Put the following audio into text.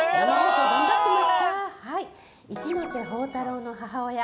一ノ瀬宝太郎の母親